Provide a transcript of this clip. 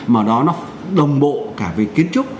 mà đó nó đồng bộ cả về kiến trúc